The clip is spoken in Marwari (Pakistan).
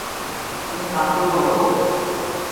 ٿُون ٿاڪوڙو هتو۔